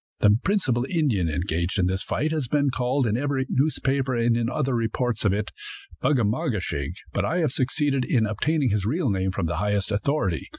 The principal Indian engaged in this fight has been called, in every newspaper and other reports of it, Bug a ma ge shig; but I have succeeded in obtaining his real name from the highest authority.